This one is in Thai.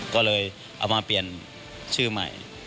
ก็เลยเอามาเปลี่ยนชื่อใหม่